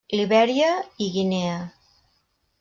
Libèria i Guinea.